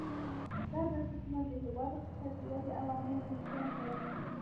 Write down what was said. دا بنسټونه د هېواد اقتصادي ودې او عامه هوساینې سبب شي.